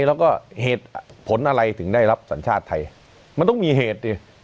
แล้วก็เหตุผลอะไรถึงได้รับสัญชาติไทยมันต้องมีเหตุสิ